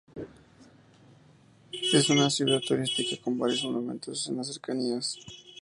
Es una ciudad turística con varios monumentos en las cercanías.